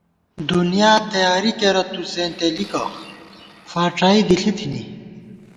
دُنیا تیاری کېرہ تُو زېنتېلِکہ ، فاڄائی دِݪی تھنی